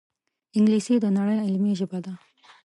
انګلیسي د نړۍ علمي ژبه ده